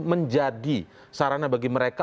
menjadi sarana bagi mereka